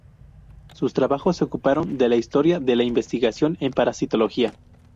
Sus trabajos se ocuparon de la historia de la investigación en parasitología.